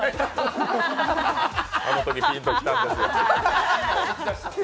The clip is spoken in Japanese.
あのときピンときたんです。